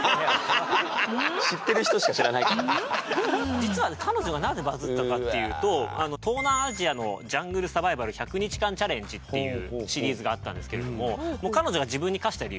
実はね彼女がなぜバズったかっていうと東南アジアのジャングルサバイバル１００日間チャレンジっていうシリーズがあったんですけれども彼女が自分に課した